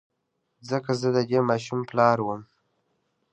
ځکه زه د دې ماشوم پلار وم.